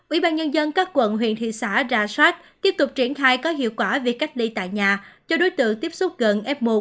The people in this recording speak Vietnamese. ủy ban nhân dân các quận huyện thị xã ra soát tiếp tục triển khai có hiệu quả việc cách ly tại nhà cho đối tượng tiếp xúc gần f một